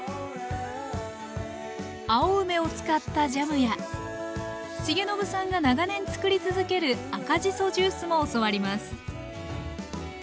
青梅を使ったジャムや重信さんが長年作り続ける赤じそジュースも教わります